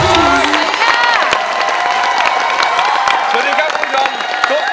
สวัสดีค่ะคุณชน